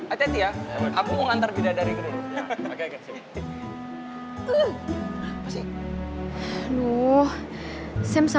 ini dihajar harusnya